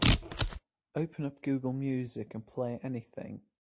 Open up Google Music and play anything.